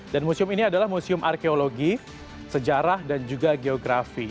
dan museum ini adalah museum arkeologi sejarah dan juga geografi